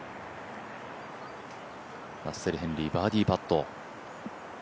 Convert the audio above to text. ラッセル・ヘンリー、バーディーパット。